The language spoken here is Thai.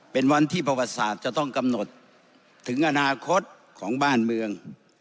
เป็นวันที่ประวัติศาสตร์จะต้องกำหนดถึงอนาคตของบ้านเมือง